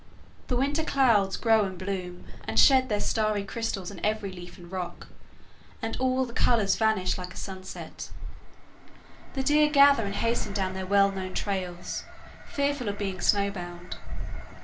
The winter clouds grow, and bloom, and shed their starry crystals on every leaf and rock, and all the colors vanish like a sunset. The deer gather and hasten down their well known trails, fearful of being snow bound.